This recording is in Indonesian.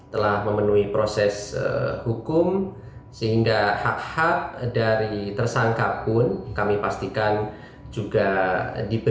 telah memenuhi proses hukum sehingga hak hak dari tersangka pun kami pastikan juga diberikan